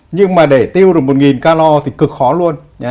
nhưng mà để tiêu được một nghìn calo thì cực khó luôn